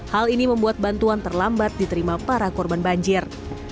hal ini membuat bantuan terlambat diterima para korban banjir